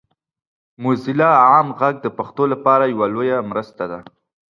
موزیلا عام غږ د پښتو لپاره یوه لویه مرسته ده.